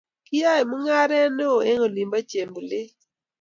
kiyae chemungaret neo eng oli bo chembulet